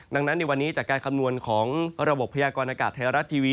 ดังนั้นในวันนี้จากการคำนวณของระบบพยากรณากาศไทยรัฐทีวี